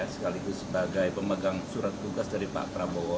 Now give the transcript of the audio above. sekaligus sebagai pemegang surat tugas dari pak prabowo